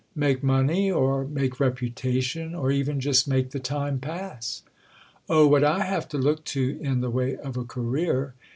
"Make money or make reputation—or even just make the time pass." "Oh, what I have to look to in the way of a career?"